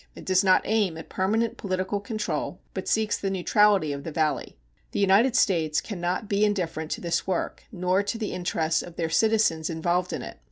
It does not aim at permanent political control, but seeks the neutrality of the valley. The United States can not be indifferent to this work nor to the interests of their citizens involved in it.